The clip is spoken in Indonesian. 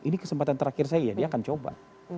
ini kesempatan terakhir saya ya dia akan coba